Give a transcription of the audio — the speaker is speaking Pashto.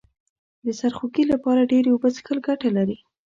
د سرخوږي لپاره ډیرې اوبه څښل گټه لري